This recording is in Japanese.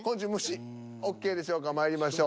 ＯＫでしょうかまいりましょう。